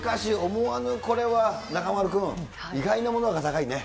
思わぬこれは、中丸君、意外なものが高いね。